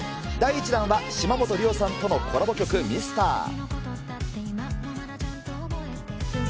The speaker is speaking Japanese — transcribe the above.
第１弾は島本理生さんとのコラボ曲、ミスター。